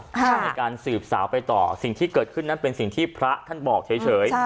ในการสืบสาวไปต่อสิ่งที่เกิดขึ้นนั้นเป็นสิ่งที่พระท่านบอกเฉย